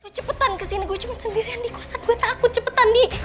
cepetan kesini gue cuman sendirian di kosan gue takut cepetan nih